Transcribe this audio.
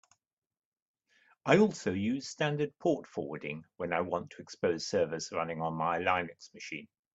I also use standard port forwarding when I want to expose servers running on my Linux machine.